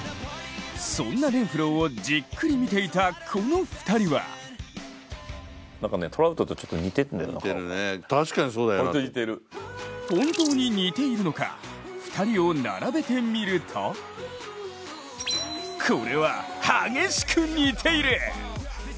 そんなレンフローをじっくり見ていたこの２人は本当に似ているのか、２人を並べてみるとこれは、激しく似ている！